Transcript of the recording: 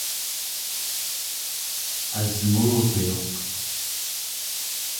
asmuuriuq